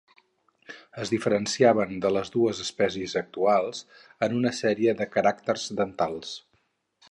Es diferenciaven de les dues espècies actuals en una sèrie de caràcters dentals.